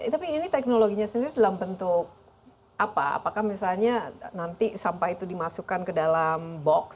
tapi ini teknologinya sendiri dalam bentuk apa apakah misalnya nanti sampah itu dimasukkan ke dalam box